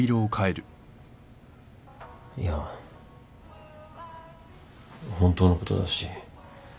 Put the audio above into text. いや本当のことだし。